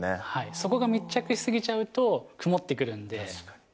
そこが密着しすぎちゃうと曇ってくるので。